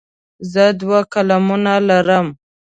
زه دوه قلمونه لرم.